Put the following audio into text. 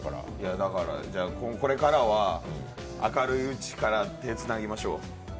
これからは明るいうちから手つなぎましょう。